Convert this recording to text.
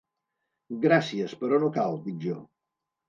Gràcies, però no cal, dic jo.